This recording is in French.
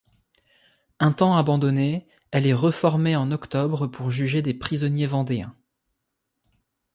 Un temps abandonnée, elle est reformée en octobre pour juger des prisonniers vendéens.